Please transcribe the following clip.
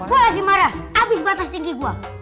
gue lagi marah habis batas tinggi gue